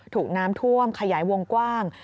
ถูกน้ำท่วมขยายวงกว้าง